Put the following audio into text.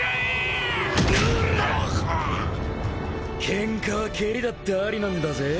ケンカは蹴りだってありなんだぜ？